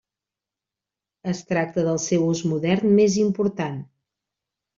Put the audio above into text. Es tracta del seu ús modern més important.